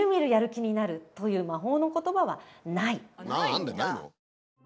何だ！ないの？